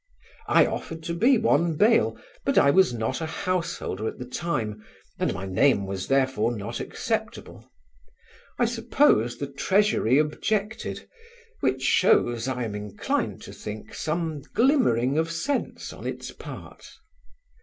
I offered to be one bail: but I was not a householder at the time and my name was, therefore, not acceptable. I suppose the Treasury objected, which shows, I am inclined to think, some glimmering of sense on its part.